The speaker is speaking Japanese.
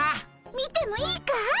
見てもいいかい？